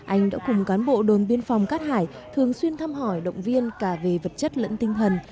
anh đã cùng cán bộ đồn biên phòng cát hải thường xuyên thăm hỏi động viên cả về vật chất lẫn tinh thần